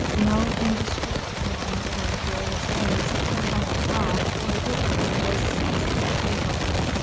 No indiscreet hand or curious gaze could have brought or did bring this single paper.